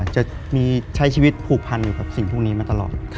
จะมีใช้ชีวิตผูกพันอยู่กับสิ่งพวกนี้มาตลอด